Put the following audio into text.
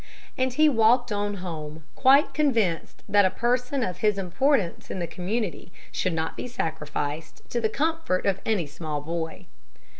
And he walked on home, quite convinced that a person of his importance in the community should not be sacrificed to the comfort of any small boy.